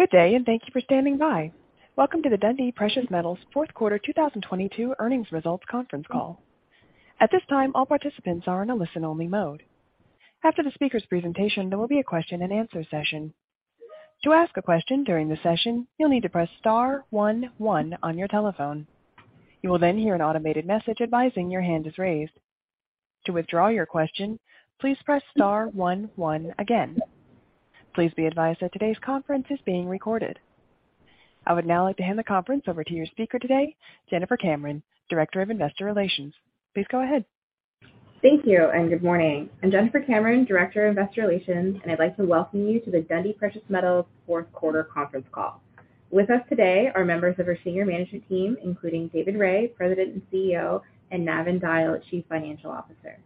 Good day. Thank you for standing by. Welcome to the Dundee Precious Metals fourth quarter 2022 earnings results conference call. At this time, all participants are in a listen-only mode. After the speaker's presentation, there will be a question-and-answer session. To ask a question during the session, you'll need to press star 11 on your telephone. You will hear an automated message advising your hand is raised. To withdraw your question, please press star one one again. Please be advised that today's conference is being recorded. I would now like to hand the conference over to your speaker today, Jennifer Cameron, Director of Investor Relations. Please go ahead. Thank you. Good morning. I'm Jennifer Cameron, Director of Investor Relations. I'd like to welcome you to the Dundee Precious Metals fourth quarter conference call. With us today are members of our senior management team, including David Rae, President and CEO, Navin Dyal, Chief Financial Officer.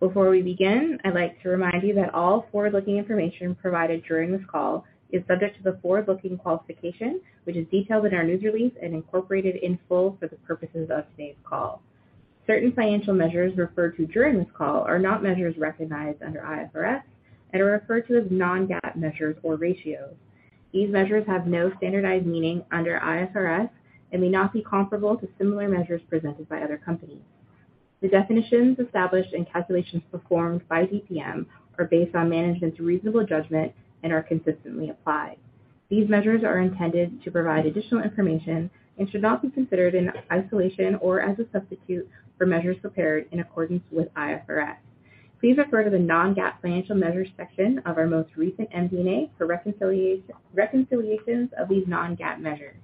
Before we begin, I'd like to remind you that all forward-looking information provided during this call is subject to the forward-looking qualification, which is detailed in our news release and incorporated in full for the purposes of today's call. Certain financial measures referred to during this call are not measures recognized under IFRS, are referred to as non-GAAP measures or ratios. These measures have no standardized meaning under IFRS, may not be comparable to similar measures presented by other companies. The definitions established and calculations performed by DPM are based on management's reasonable judgment and are consistently applied. These measures are intended to provide additional information and should not be considered in isolation or as a substitute for measures prepared in accordance with IFRS. Please refer to the non-GAAP financial measures section of our most recent MD&A for reconciliations of these non-GAAP measures.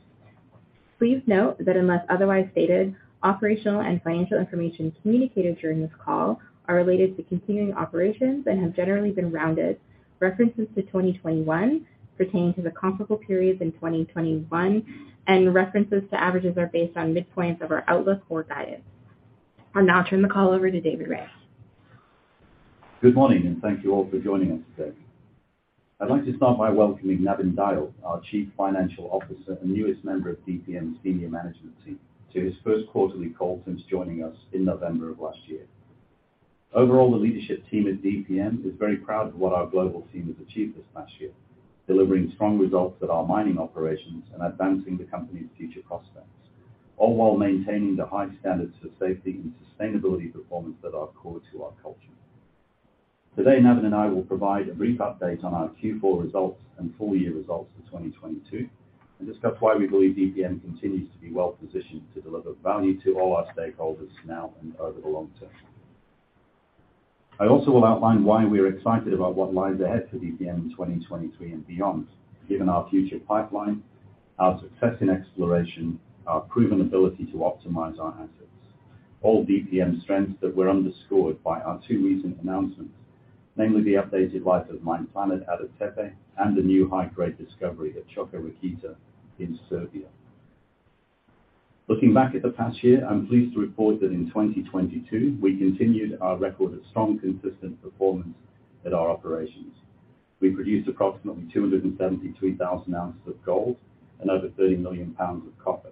Please note that unless otherwise stated, operational and financial information communicated during this call are related to continuing operations and have generally been rounded. References to 2021 pertain to the comparable periods in 2021, and references to averages are based on midpoints of our outlook or guidance. I'll now turn the call over to David Rae. Good morning. Thank you all for joining us today. I'd like to start by welcoming Navin Dyal, our Chief Financial Officer and newest member of DPM's senior management team, to his first quarterly call since joining us in November of last year. Overall, the leadership team at DPM is very proud of what our global team has achieved this past year, delivering strong results at our mining operations and advancing the company's future prospects, all while maintaining the high standards for safety and sustainability performance that are core to our culture. Today, Navin and I will provide a brief update on our Q4 results and full year results for 2022 and discuss why we believe DPM continues to be well-positioned to deliver value to all our stakeholders now and over the long term. I also will outline why we are excited about what lies ahead for DPM in 2023 and beyond, given our future pipeline, our success in exploration, our proven ability to optimize our assets, all DPM strengths that were underscored by our two recent announcements, namely the updated life of mine plan at Ada Tepe and the new high-grade discovery at Čoka Rakita in Serbia. Looking back at the past year, I'm pleased to report that in 2022 we continued our record of strong, consistent performance at our operations. We produced approximately 273,000 ounces of gold and over 30 million pounds of copper.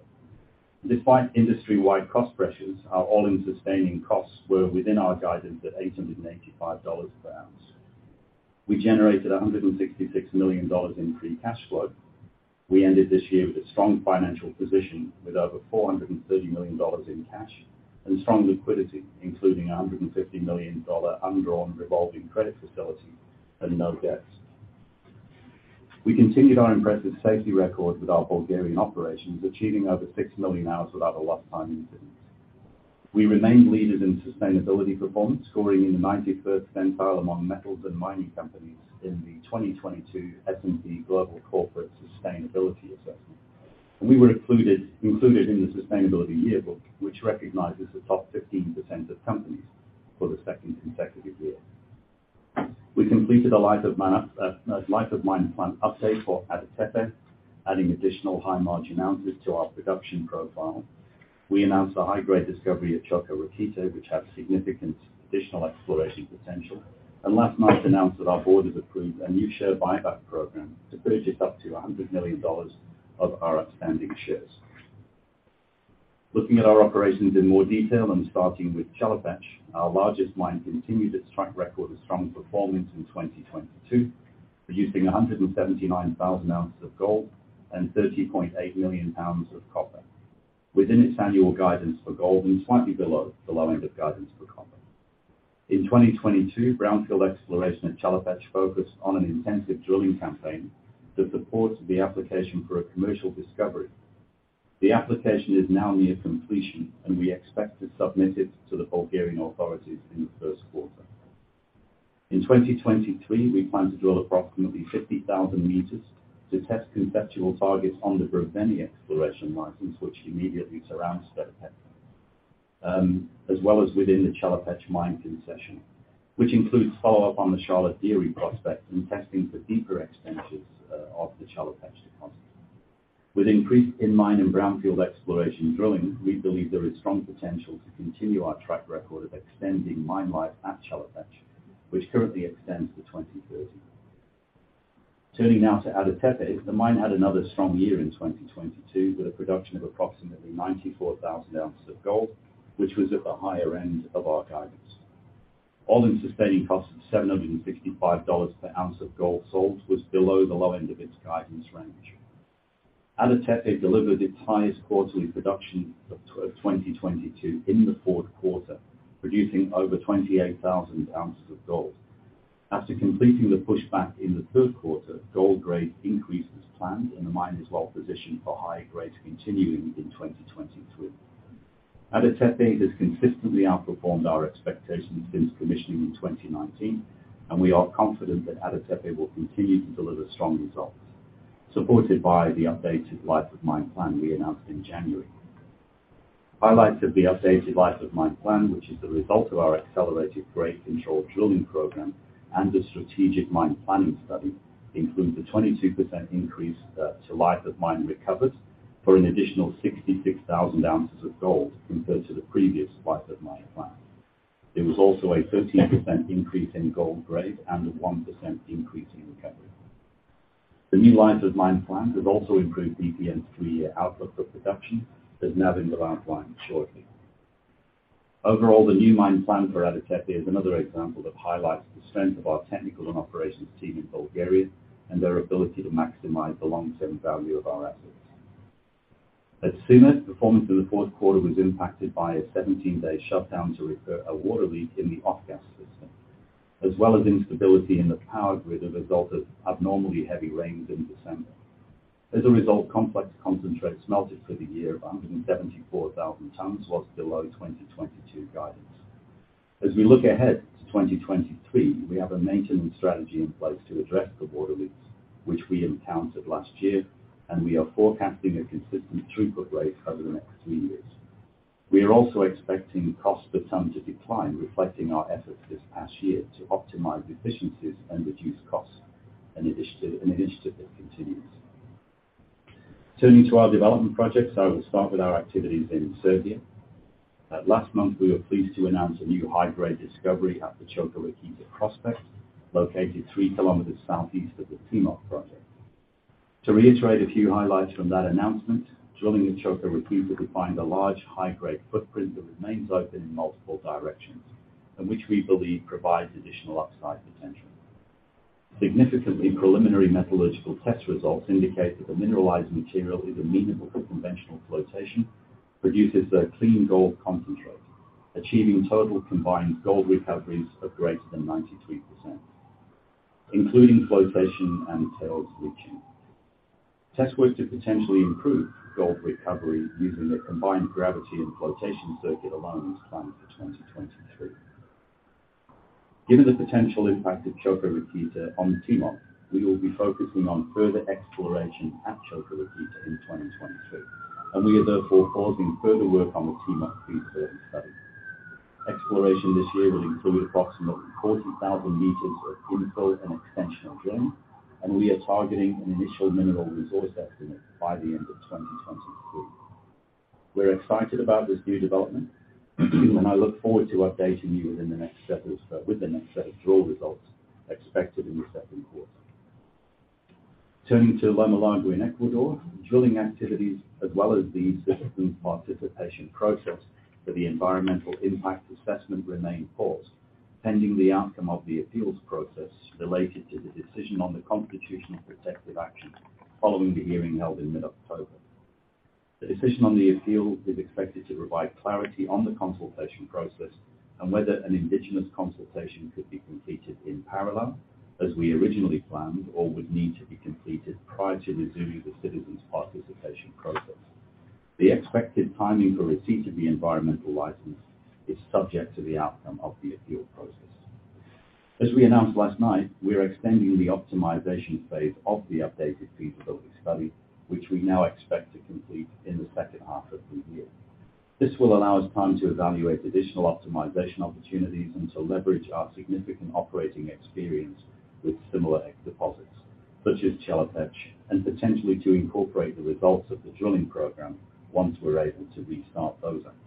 Despite industry-wide cost pressures, our all-in sustaining costs were within our guidance at $885 per ounce. We generated $166 million in free cash flow. We ended this year with a strong financial position with over $430 million in cash and strong liquidity, including a $150 million undrawn revolving credit facility and no debts. We continued our impressive safety record with our Bulgarian operations, achieving over 6 million hours without a lost time incident. We remained leaders in sustainability performance, scoring in the 91st percentile among metals and mining companies in the 2022 S&P Global Corporate Sustainability Assessment. We were included in The Sustainability Yearbook, which recognizes the top 15% of companies for the second consecutive year. We completed a life of mine plan update for Ada Tepe, adding additional high margin ounces to our production profile. We announced the high-grade discovery at Čoka Rakita, which has significant additional exploration potential. Last month announced that our board has approved a new share buyback program to purchase up to $100 million of our outstanding shares. Looking at our operations in more detail and starting with Chelopech, our largest mine continued its track record of strong performance in 2022, producing 179,000 ounces of gold and 30.8 million pounds of copper, within its annual guidance for gold and slightly below the low end of guidance for copper. In 2022, brownfield exploration at Chelopech focused on an intensive drilling campaign that supports the application for a commercial discovery. The application is now near completion, and we expect to submit it to the Bulgarian authorities in the first quarter. In 2023, we plan to drill approximately 50,000 meters to test conceptual targets on the Brevene exploration license, which immediately surrounds Chelopech, as well as within the Chelopech mine concession, which includes follow-up on the Sharlo Dere prospect and testing for deeper extensions of the Chelopech deposit. With increased in-mine and brownfield exploration drilling, we believe there is strong potential to continue our track record of extending mine life at Chelopech, which currently extends to 2030. Turning now to Ada Tepe, the mine had another strong year in 2022 with a production of approximately 94,000 ounces of gold, which was at the higher end of our guidance. All-in sustaining costs of $765 per ounce of gold sold was below the low end of its guidance range. Ada Tepe delivered its highest quarterly production of 2022 in Q4, producing over 28,000 ounces of gold. After completing the pushback in third quarter, gold grade increase was planned, and the mine is well-positioned for high grades continuing in 2023. Ada Tepe has consistently outperformed our expectations since commissioning in 2019, and we are confident that Ada Tepe will continue to deliver strong results, supported by the updated life of mine plan we announced in January. Highlights of the updated life of mine plan, which is the result of our accelerated grade control drilling program and the strategic mine planning study, includes a 22% increase to life of mine recovered for an additional 66,000 ounces of gold compared to the previous life of mine plan. There was also a 13% increase in gold grade and a 1% increase in recovery. The new life of mine plan has also improved DPM's three-year outlook for production that Navin will outline shortly. Overall, the new mine plan for Ada Tepe is another example that highlights the strength of our technical and operations team in Bulgaria and their ability to maximize the long-term value of our assets. At Tsumeb, performance in the fourth quarter was impacted by a 17-day shutdown to repair a water leak in the off-gas system, as well as instability in the power grid as a result of abnormally heavy rains in December. Complex concentrates melted for the year of 174,000 tons was below 2022 guidance. We look ahead to 2023, we have a maintenance strategy in place to address the water leaks which we encountered last year, and we are forecasting a consistent throughput rate over the next three years. We are also expecting cost per ton to decline, reflecting our efforts this past year to optimize efficiencies and reduce costs, an initiative that continues. Turning to our development projects, I will start with our activities in Serbia. Last month, we were pleased to announce a new high-grade discovery at the Čoka Rakita prospect, located three kilometers southeast of the Timok project. To reiterate a few highlights from that announcement, drilling at Čoka Rakita defined a large high-grade footprint that remains open in multiple directions, and which we believe provides additional upside potential. Significantly, preliminary metallurgical test results indicate that the mineralized material is amenable for conventional flotation, produces a clean gold concentrate, achieving total combined gold recoveries of greater than 93%, including flotation and tails leaching. Test work to potentially improve gold recovery using a combined gravity and flotation circuit alone is planned for 2023. Given the potential impact of Čoka Rakita on Timok, we will be focusing on further exploration at Čoka Rakita in 2023, we are therefore pausing further work on the Timok feasibility study. Exploration this year will include approximately 40,000 meters of info and extensional drilling, we are targeting an initial mineral resource estimate by the end of 2023. We're excited about this new development, I look forward to updating you within the next set of with the next set of drill results expected in the second quarter. Turning to Loma Larga in Ecuador. Drilling activities as well as the citizen participation process for the environmental impact assessment remain paused pending the outcome of the appeals process related to the decision on the constitutional protective action following the hearing held in mid-October. The decision on the appeal is expected to provide clarity on the consultation process and whether an Indigenous consultation could be completed in parallel as we originally planned or would need to be completed prior to resuming the citizen participation process. The expected timing for receipt of the environmental license is subject to the outcome of the appeal process. As we announced last night, we are extending the optimization phase of the updated feasibility study, which we now expect to complete in the second half of the year. This will allow us time to evaluate additional optimization opportunities and to leverage our significant operating experience with similar deposits, such as Chelopech, and potentially to incorporate the results of the drilling program once we're able to restart those activities.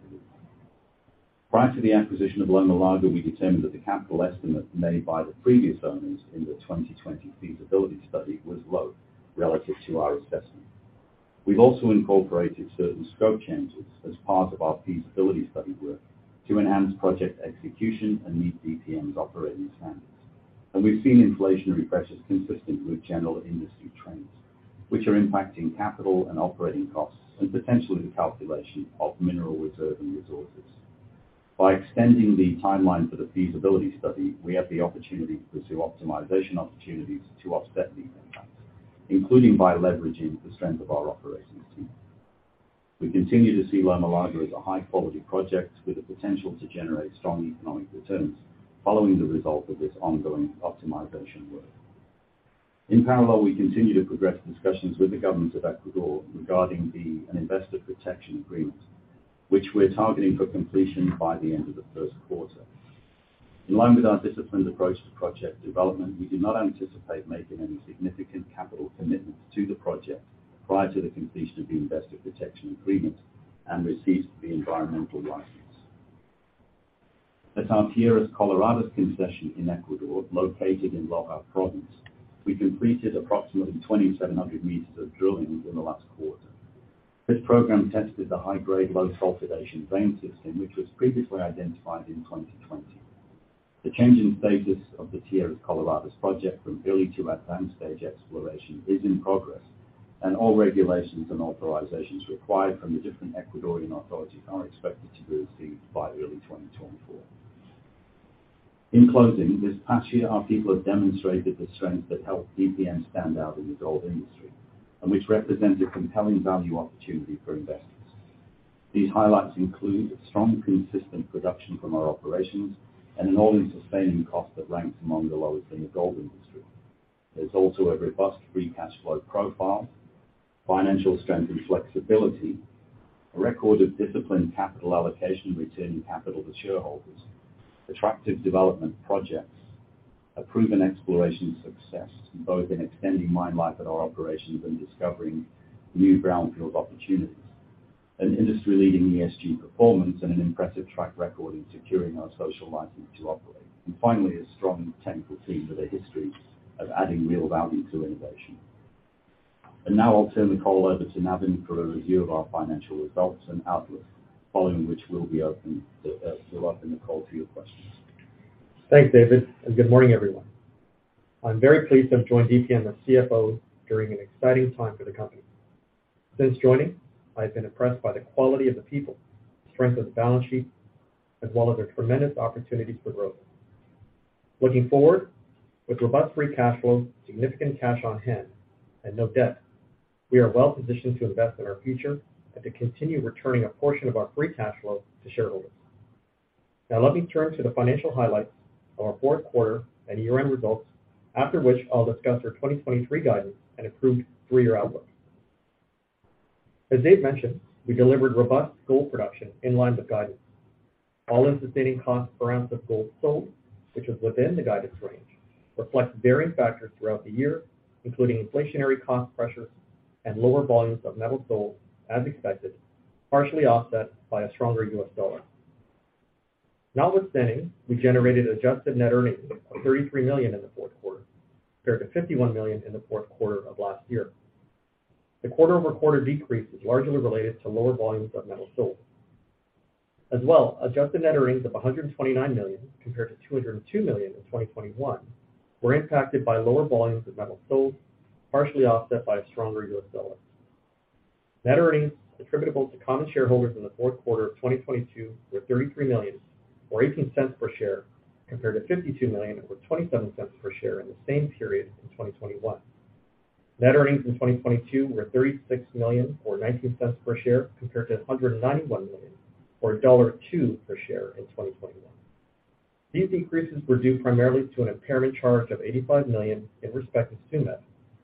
Prior to the acquisition of Loma Larga, we determined that the capital estimate made by the previous owners in the 2020 feasibility study was low relative to our assessment. We've also incorporated certain scope changes as part of our feasibility study work to enhance project execution and meet DPM's operating standards. We've seen inflationary pressures consistent with general industry trends, which are impacting capital and operating costs and potentially the calculation of mineral reserve and resources. By extending the timeline for the feasibility study, we have the opportunity to pursue optimization opportunities to offset these impacts, including by leveraging the strength of our operations team. We continue to see Loma Larga as a high-quality project with the potential to generate strong economic returns following the result of this ongoing optimization work. In parallel, we continue to progress discussions with the government of Ecuador regarding an investment protection agreement, which we're targeting for completion by the end of the first quarter. In line with our disciplined approach to project development, we do not anticipate making any significant capital commitments to the project prior to the completion of the investment protection agreement and receipt of the environmental license. At Tierras Coloradas concession in Ecuador, located in Loja province, we completed approximately 2,700 meters of drilling in the last quarter. This program tested the high-grade, low sulfidation vein system, which was previously identified in 2020. The change in status of the Tierras Coloradas project from early to advanced stage exploration is in progress, and all regulations and authorizations required from the different Ecuadorian authorities are expected to be received by early 2024. In closing, this past year, our people have demonstrated the strength that helped DPM stand out in the gold industry and which represent a compelling value opportunity for investors. These highlights include a strong, consistent production from our operations and an all-in sustaining cost that ranks among the lowest in the gold industry. There's also a robust free cash flow profile, financial strength and flexibility, a record of disciplined capital allocation returning capital to shareholders, attractive development projects, a proven exploration success both in extending mine life at our operations and discovering new greenfield opportunities, an industry-leading ESG performance, and an impressive track record in securing our social license to operate. Finally, a strong technical team with a history of adding real value through innovation. Now I'll turn the call over to Navin for a review of our financial results and outlook, following which we'll open the call to your questions. Thanks, David. Good morning, everyone. I'm very pleased to have joined DPM as CFO during an exciting time for the company. Since joining, I've been impressed by the quality of the people, the strength of the balance sheet, as well as the tremendous opportunities for growth. Looking forward, with robust free cash flow, significant cash on hand, and no debt, we are well positioned to invest in our future and to continue returning a portion of our free cash flow to shareholders. Now let me turn to the financial highlights of our fourth quarter and year-end results, after which I'll discuss our 2023 guidance and improved three-year outlook. As Dave mentioned, we delivered robust gold production in line with guidance. All-in sustaining cost per ounce of gold sold, which is within the guidance range, reflects varying factors throughout the year, including inflationary cost pressures and lower volumes of metal sold as expected, partially offset by a stronger U.S. dollar. Notwithstanding, we generated adjusted net earnings of $33 million in the fourth quarter, compared to $51 million in the fourth quarter of last year. The quarter-over-quarter decrease is largely related to lower volumes of metal sold. As well, adjusted net earnings of $129 million compared to $202 million in 2021 were impacted by lower volumes of metal sold, partially offset by a stronger U.S. dollar. Net earnings attributable to common shareholders in the fourth quarter of 2022 were $33 million or $0.18 per share, compared to $52 million or $0.27 per share in the same period in 2021. Net earnings in 2022 were $36 million or $0.19 per share, compared to $191 million or $1.02 per share in 2021. These decreases were due primarily to an impairment charge of $85 million in respect of Tsumeb,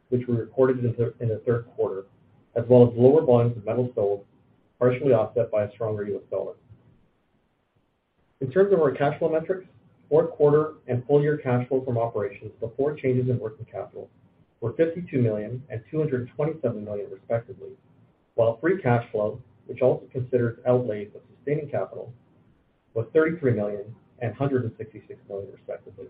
which we recorded in the third quarter, as well as lower volumes of metal sold, partially offset by a stronger U.S. dollar. In terms of our cash flow metrics, fourth quarter and full-year cash flow from operations before changes in working capital were $52 million and $227 million respectively, while free cash flow, which also considers outlays of sustaining capital, was $33 million and $166 million respectively.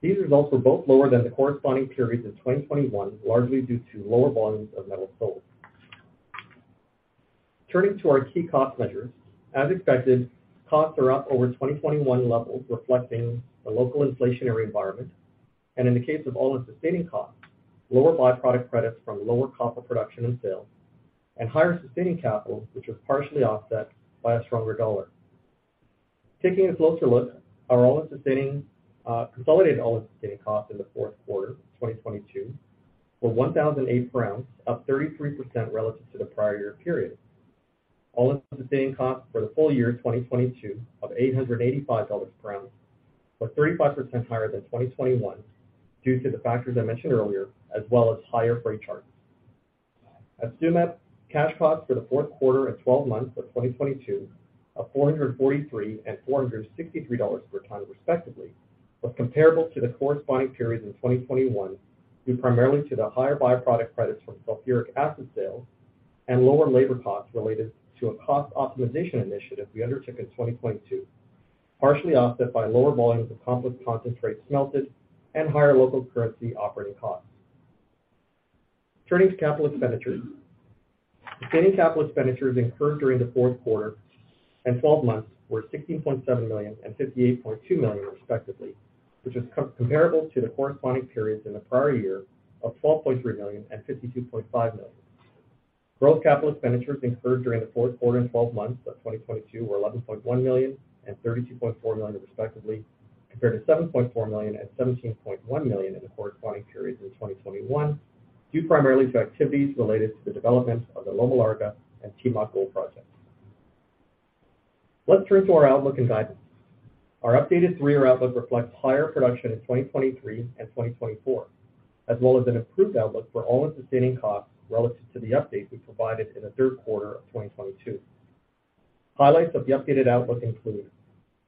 These results were both lower than the corresponding periods in 2021, largely due to lower volumes of metal sold. Turning to our key cost measures, as expected, costs are up over 2021 levels, reflecting the local inflationary environment, and in the case of all-in sustaining costs, lower by-product credits from lower copper production and sales and higher sustaining capital, which was partially offset by a stronger dollar. Taking a closer look, our consolidated all-in sustaining cost in the fourth quarter of 2022 were $1,008 per ounce, up 33% relative to the prior year period. All-in sustaining costs for the full year 2022 of $885 per ounce were 35% higher than 2021 due to the factors I mentioned earlier as well as higher freight charges. At Tsumeb, cash costs for the fourth quarter and 12 months of 2022 of $443 and $463 per ton respectively, was comparable to the corresponding periods in 2021, due primarily to the higher by-product credits from sulfuric acid sales and lower labor costs related to a cost optimization initiative we undertook in 2022, partially offset by lower volumes of complex concentrates smelted and higher local currency operating costs. Turning to capital expenditures. Sustaining capital expenditures incurred during the fourth quarter and 12 months were $16.7 million and $58.2 million respectively, which is comparable to the corresponding periods in the prior year of $12.3 million and $52.5 million. Growth capital expenditures incurred during the fourth quarter and 12 months of 2022 were $11.1 million and $32.4 million respectively, compared to $7.4 million and $17.1 million in the corresponding periods in 2021, due primarily to activities related to the development of the Loma Larga and Timok gold projects. Let's turn to our outlook and guidance. Our updated three-year outlook reflects higher production in 2023 and 2024, as well as an improved outlook for all-in sustaining costs relative to the update we provided in the third quarter of 2022. Highlights of the updated outlook include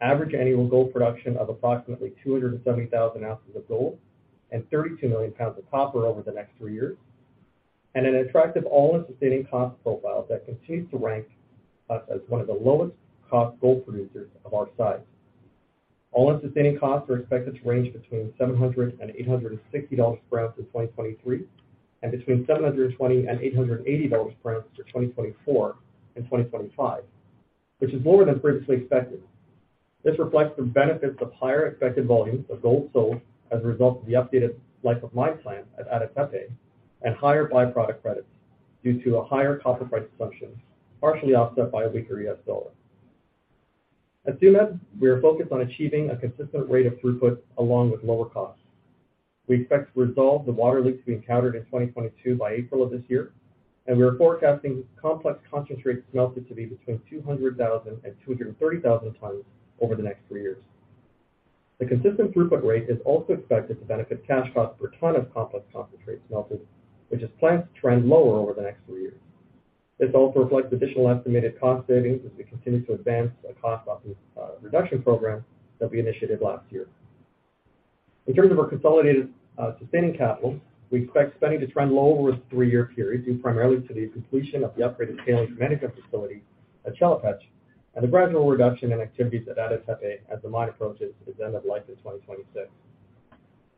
average annual gold production of approximately 270,000 ounces of gold and 32 million pounds of copper over the next three years, and an attractive all-in sustaining cost profile that continues to rank us as one of the lowest cost gold producers of our size. All in sustaining costs are expected to range between $700 and $860 per ounce in 2023, and between $720 and $880 per ounce for 2024 and 2025, which is lower than previously expected. This reflects the benefits of higher expected volumes of gold sold as a result of the updated life of mine plan at Ada Tepe and higher by-product credits due to a higher copper price assumption, partially offset by a weaker U.S. dollar. At Tsumeb, we are focused on achieving a consistent rate of throughput along with lower costs. We expect to resolve the water leaks we encountered in 2022 by April of this year. We are forecasting complex concentrate smelted to be between 200,000 and 230,000 tons over the next three years. The consistent throughput rate is also expected to benefit cash costs per ton of complex concentrate smelted, which is planned to trend lower over the next three years. This also reflects additional estimated cost savings as we continue to advance a cost option, reduction program that we initiated last year. In terms of our consolidated sustaining capital, we expect spending to trend lower over a three-year period, due primarily to the completion of the upgraded tailings management facility at Chelopech and the gradual reduction in activities at Ada Tepe as the mine approaches its end of life in 2026.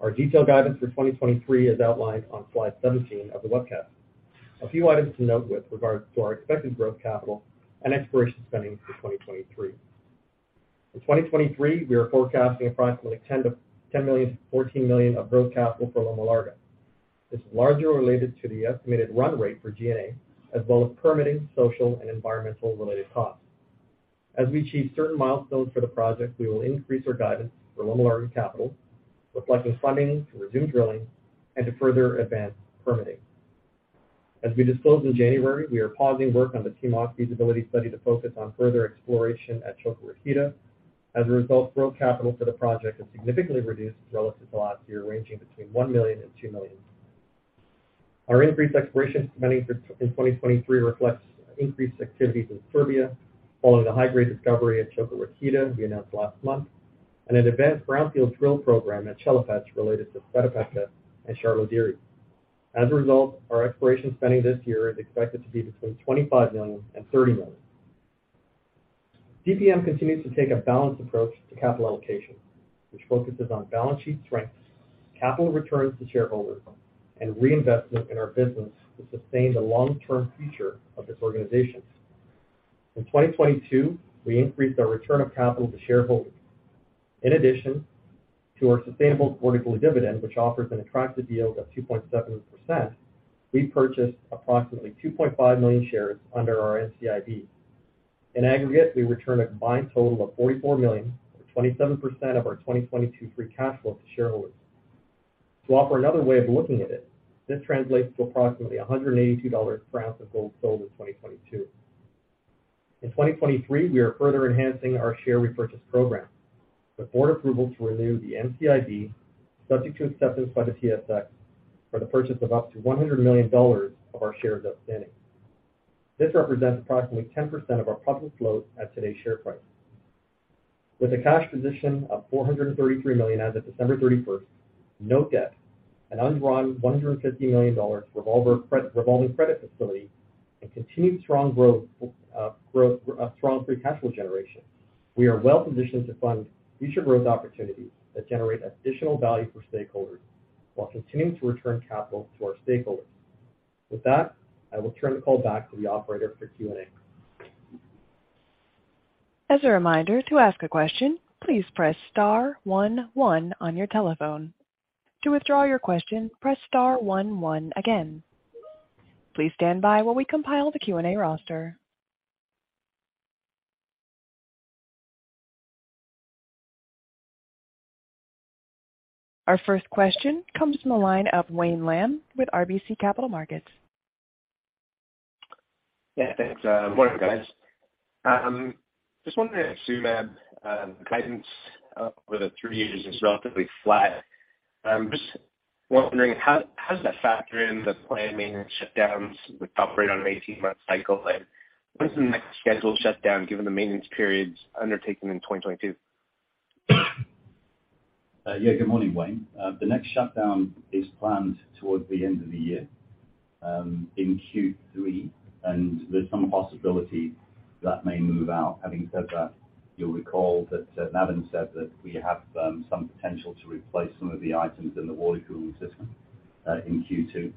Our detailed guidance for 2023 is outlined on slide 17 of the webcast. A few items to note with regard to our expected growth capital and exploration spending for 2023. In 2023, we are forecasting approximately $10 million-$14 million of growth capital for Loma Larga. This is largely related to the estimated run rate for G&A, as well as permitting social and environmental related costs. As we achieve certain milestones for the project, we will increase our guidance for Loma Larga capital, reflecting funding to resume drilling and to further advance permitting. As we disclosed in January, we are pausing work on the Timok feasibility study to focus on further exploration at Čoka Rakita. As a result, growth capital for the project has significantly reduced relative to last year, ranging between $1 million and $2 million. Our increased exploration spending in 2023 reflects increased activities in Serbia following the high-grade discovery at Čoka Rakita we announced last month, and an advanced brownfield drill program at Chelopech related to Sveta Petka and Sharlo Dere. As a result, our exploration spending this year is expected to be between $25 million and $30 million. DPM continues to take a balanced approach to capital allocation, which focuses on balance sheet strengths, capital returns to shareholders, and reinvestment in our business to sustain the long-term future of this organization. In 2022, we increased our return of capital to shareholders. In addition to our sustainable quarterly dividend, which offers an attractive yield of 2.7%, we purchased approximately 2.5 million shares under our NCIB. In aggregate, we returned a combined total of $44 million, or 27% of our 2022 free cash flow to shareholders. To offer another way of looking at it, this translates to approximately $182 per ounce of gold sold in 2022. In 2023, we are further enhancing our share repurchase program with board approval to renew the NCIB, subject to acceptance by the TSX for the purchase of up to $100 million of our shares outstanding. This represents approximately 10% of our public float at today's share price. With a cash position of $433 million as of December 31st, no debt, an undrawn $150 million revolving credit facility, and continued strong free cash flow generation, we are well positioned to fund future growth opportunities that generate additional value for stakeholders while continuing to return capital to our stakeholders. With that, I will turn the call back to the operator for Q&A. As a reminder, to ask a question, please press star one one on your telephone. To withdraw your question, press star one one again. Please stand by while we compile the Q&A roster. Our first question comes from the line of Wayne Lam with RBC Capital Markets. Yeah, thanks. Morning, guys. Just wondering at Tsumeb, guidance over the three years is relatively flat. Just wondering how does that factor in the planned maintenance shutdowns, which operate on an 18-month cycle? When's the next scheduled shutdown given the maintenance periods undertaken in 2022? Yeah. Good morning, Wayne. The next shutdown is planned towards the end of the year, in Q3, there's some possibility that may move out. Having said that, you'll recall that Navin said that we have some potential to replace some of the items in the water cooling system, in Q2.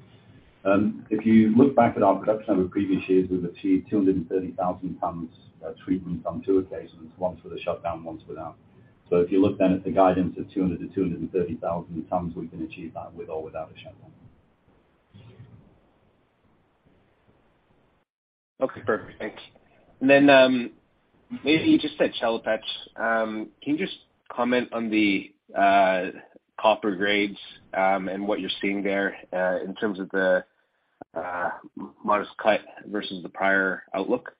If you look back at our production over previous years, we've achieved 230,000 tons, treatment on two occasions, once with a shutdown, once without. If you look then at the guidance of 200,000-230,000 tons, we can achieve that with or without a shutdown. Okay, perfect. Thanks. You just said Chelopech. Can you just comment on the copper grades, and what you're seeing there, in terms of the modest cut versus the prior outlook?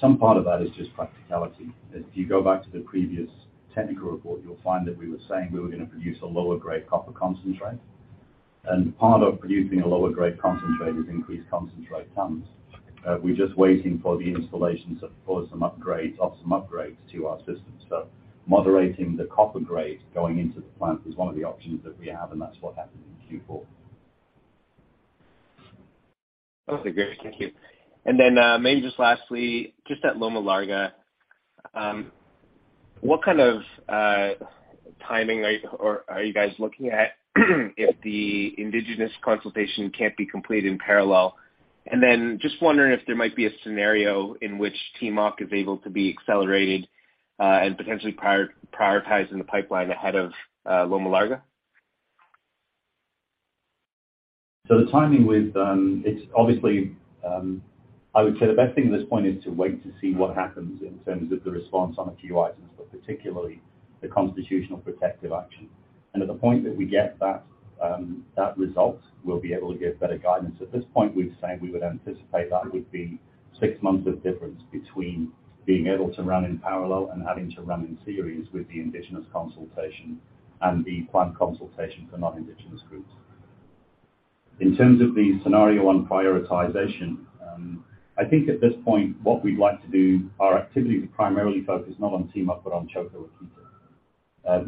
Some part of that is just practicality. If you go back to the previous technical report, you'll find that we were saying we were gonna produce a lower grade copper concentrate. Part of producing a lower grade concentrate is increased concentrate tons. We're just waiting for the installations of some upgrades to our systems. Moderating the copper grade going into the plant is one of the options that we have, and that's what happened in Q4. Okay, great. Thank you. Maybe just lastly, just at Loma Larga, what kind of timing are you or are you guys looking at if the Indigenous consultation can't be completed in parallel? Just wondering if there might be a scenario in which Timok is able to be accelerated and potentially prioritized in the pipeline ahead of Loma Larga? It's obviously, I would say the best thing at this point is to wait to see what happens in terms of the response on a few items, but particularly the constitutional protective action. At the point that we get that result, we'll be able to give better guidance. At this point, we'd say we would anticipate that would be six months of difference between being able to run in parallel and having to run in series with the Indigenous consultation and the planned consultation for non-indigenous groups. In terms of the scenario on prioritization, I think at this point, what we'd like to do, our activity is primarily focused not on Timok, but on Čoka Rakita.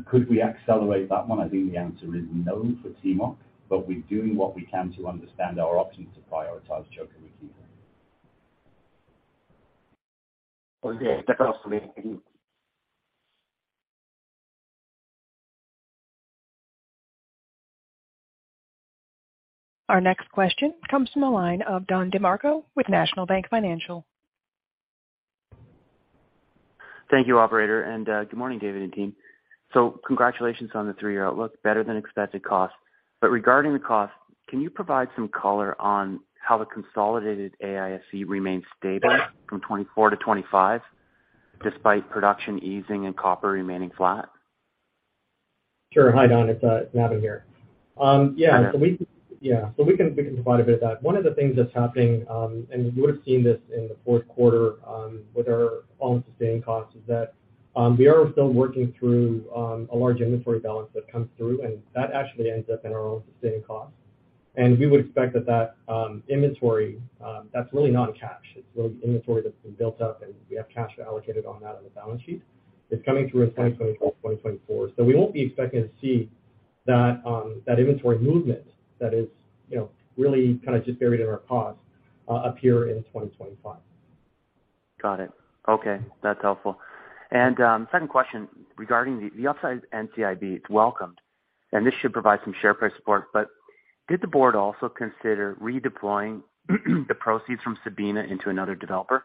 Could we accelerate that one? I think the answer is no for Timok, but we're doing what we can to understand our options to prioritize Čoka Rakita. Okay. That's all for me. Thank you. Our next question comes from the line of Don DeMarco with National Bank Financial. Thank you, operator. Good morning, David and team. Congratulations on the three-year outlook, better than expected cost. Regarding the cost, can you provide some color on how the consolidated AISC remains stable from 2024 to 2025 despite production easing and copper remaining flat? Sure. Hi, Don. It's Navin here. Yeah. Navin. Yeah. We can provide a bit of that. One of the things that's happening, you would've seen this in the fourth quarter, with our own sustained costs, is that we are still working through a large inventory balance that comes through, and that actually ends up in our own sustained cost. We would expect that that inventory, that's really not a cash. It's really inventory that's been built up, and we have cash allocated on that on the balance sheet. It's coming through in 2024. We won't be expecting to see that inventory movement that is, you know, really kind of just buried in our cost, appear in 2025. Got it. Okay. That's helpful. Second question regarding the upside NCIB, it's welcomed, and this should provide some share price support, but did the board also consider redeploying the proceeds from Sabina into another developer?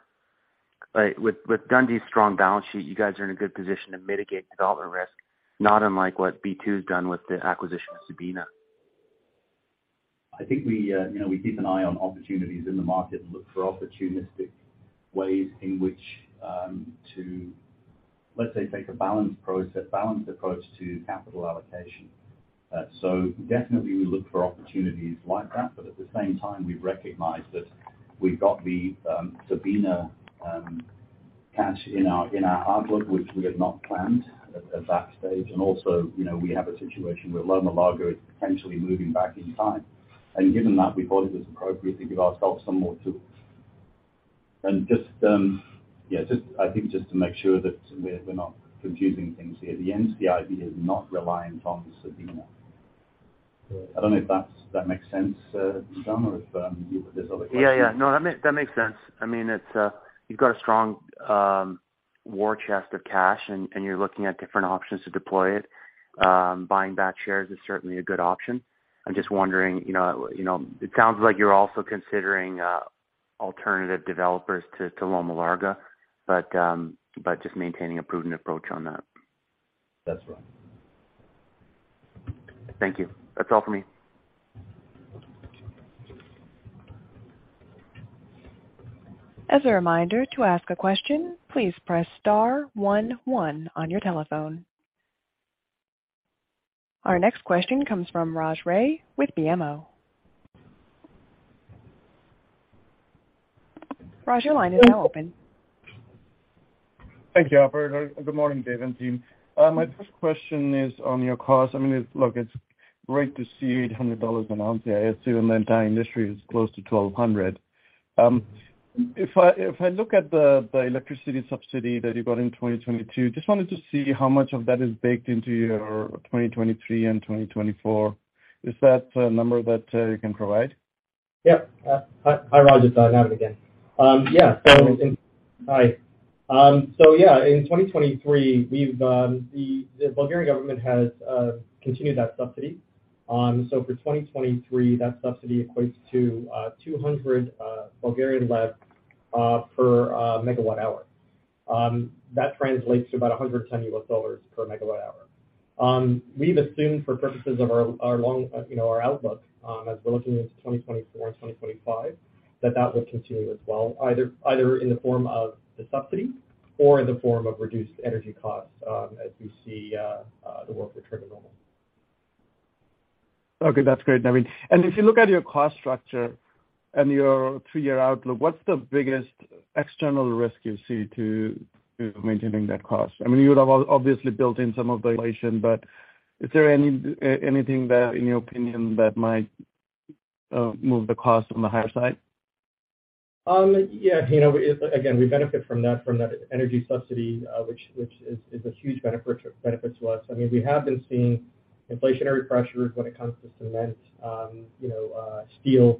Like, with Dundee's strong balance sheet, you guys are in a good position to mitigate developer risk, not unlike what B2's done with the acquisition of Sabina. I think we, you know, we keep an eye on opportunities in the market and look for opportunistic ways in which to, let's say, take a balanced approach to capital allocation. So definitely we look for opportunities like that, but at the same time, we've recognized that we've got the Sabina cash in our outlook, which we had not planned at that stage. Also, you know, we have a situation where Loma Larga is potentially moving back in time. Given that, we thought it was appropriate to give ourselves some more tools. I think just to make sure that we're not confusing things here, the NCIB is not reliant on Sabina. Right. I don't know if that's, that makes sense, Don, or if, you, there's other questions? Yeah. Yeah. No. That makes sense. I mean, it's, you've got a strong war chest of cash and you're looking at different options to deploy it. Buying back shares is certainly a good option. I'm just wondering, you know, you know, it sounds like you're also considering alternative developers to Loma Larga, but just maintaining a prudent approach on that. That's right. Thank you. That's all for me. As a reminder, to ask a question, please press star one one on your telephone. Our next question comes from Raj Ray with BMO. Raj, your line is now open. Thank you, operator. Good morning, Dave and team. My first question is on your cost. I mean, look, it's great to see $800 on AISC, and the entire industry is close to $1,200. If I look at the electricity subsidy that you got in 2022, just wanted to see how much of that is baked into your 2023 and 2024. Is that a number that you can provide? Yeah. Hi, Raj. It's Navin again. Yeah. Navin. Hi. Yeah, in 2023, we've, the Bulgarian government has continued that subsidy. For 2023, that subsidy equates to BGN 200 per megawatt hour. That translates to about $110 per megawatt hour. We've assumed for purposes of our long, you know, our outlook, as we're looking into 2024 and 2025, that will continue as well, either in the form of the subsidy or in the form of reduced energy costs, as we see the world returning normal. Okay, that's great, Navin. If you look at your cost structure and your three-year outlook, what's the biggest external risk you see to maintaining that cost? I mean, you would have obviously built in some of the inflation, is there any anything that, in your opinion, that might move the cost on the higher side? Yeah, you know, again, we benefit from that, from that energy subsidy, which is a huge benefits to us. I mean, we have been seeing inflationary pressures when it comes to cement, you know, steel.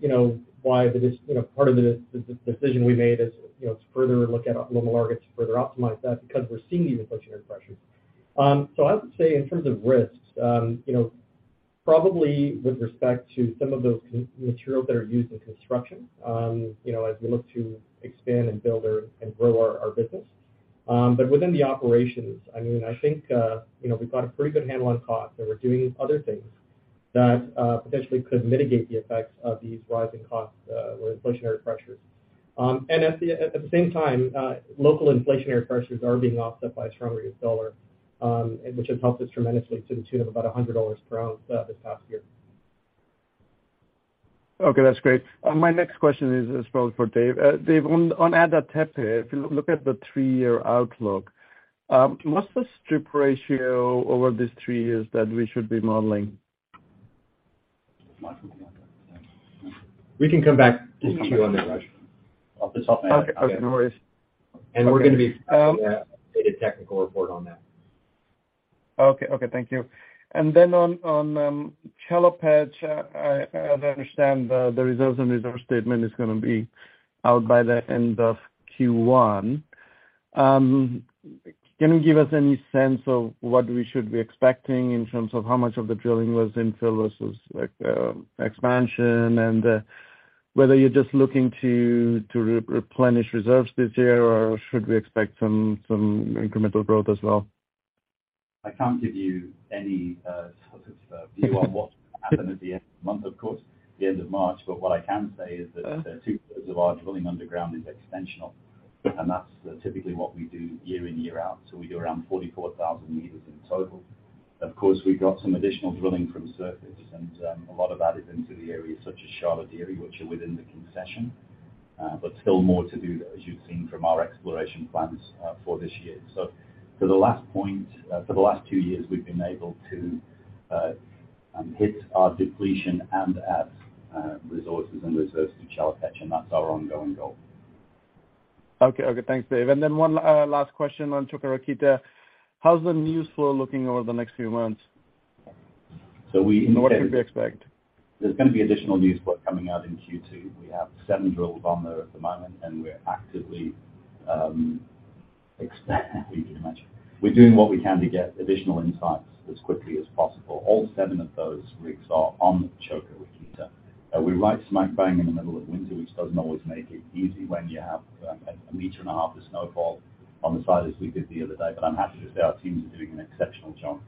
You know, why this part of the decision we made is, you know, to further look at local markets to further optimize that because we're seeing these inflationary pressures. I would say in terms of risks, you know, probably with respect to some of those materials that are used in construction, you know, as we look to expand and build and grow our business. Within the operations, I mean, I think, you know, we've got a pretty good handle on costs, and we're doing other things that potentially could mitigate the effects of these rising costs, or inflationary pressures. At the same time, local inflationary pressures are being offset by a stronger dollar, which has helped us tremendously to the tune of about $100 per ounce, this past year. Okay, that's great. My next question is probably for Dave. Dave, on Ada Tepe, if you look at the three-year outlook, what's the stripping ratio over these three years that we should be modeling? We can come back to you on that, Raj. Okay. Okay, no worries. We're gonna be doing a data technical report on that. Okay. Okay, thank you. On Chelopech, I understand the reserves and resource statement is gonna be out by the end of Q1. Can you give us any sense of what we should be expecting in terms of how much of the drilling was infill versus, like, expansion and whether you're just looking to replenish reserves this year, or should we expect some incremental growth as well? I can't give you any sort of view on what's happened at the end of the month, of course, the end of March. What I can say is that two-thirds of our drilling underground is extensional, and that's typically what we do year in, year out, so we do around 44,000 meters in total. Of course, we've got some additional drilling from surface, and a lot of that is into the areas such as Charlotte area, which are within the concession. Still more to do, as you've seen from our exploration plans for this year. For the last point, for the last two years, we've been able to hit our depletion and add resources and reserves to Chelopech, and that's our ongoing goal. Okay. Okay. Thanks, Dave. One, last question on Čoka Rakita. How's the newsflow looking over the next few months? So we. What can we expect? There's gonna be additional news flow coming out in Q2. We have seven drills on there at the moment, and we're actively. You can imagine. We're doing what we can to get additional insights as quickly as possible. All seven of those rigs are on Čoka Rakita. We're right smack bang in the middle of winter, which doesn't always make it easy when you have a meter and a half of snowfall on the site as we did the other day. I'm happy to say our teams are doing an exceptional job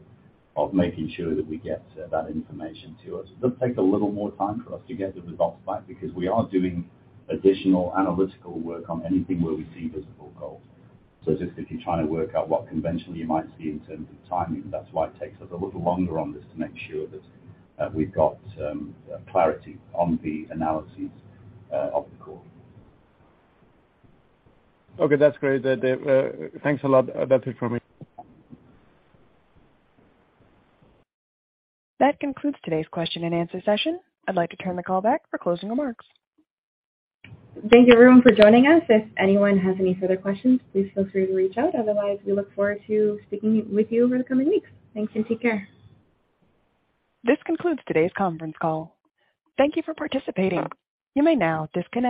of making sure that we get that information to us. It does take a little more time for us to get the results back because we are doing additional analytical work on anything where we see visible gold. It's just if you're trying to work out what conventionally you might see in terms of timing, that's why it takes us a little longer on this to make sure that we've got clarity on the analyses of the core. Okay. That's great. Thanks a lot. That's it from me. That concludes today's question-and-answer session. I'd like to turn the call back for closing remarks. Thank you everyone for joining us. If anyone has any further questions, please feel free to reach out. Otherwise, we look forward to speaking with you over the coming weeks. Thanks, and take care. This concludes today's conference call. Thank you for participating. You may now disconnect.